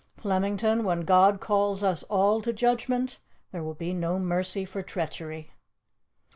Flemington, when God calls us all to judgment, there will be no mercy for treachery."